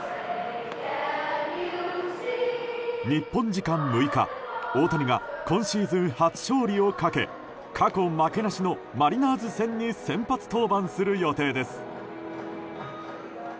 日本時間６日、大谷が今シーズン初勝利をかけ過去負けなしのマリナーズ戦に先発登板する予定です。